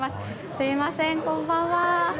すみません、こんばんは。